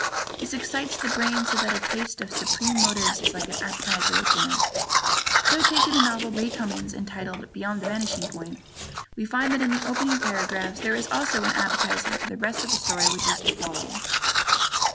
This excites the brain so that a taste of the supreme motives is like an appetizer at dinner. So, taking the novel by Ray Cummings entitled "Beyond the Vanishing Point," we find that in the opening paragraphs there is also an "appetizer" to the rest of the story which is to follow.